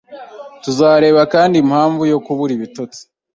tuzareba kandi impamvu yo kubura ibitotsi